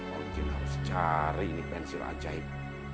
om jin harus cari nih pensil ajaib